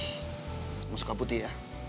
kamu suka putih ya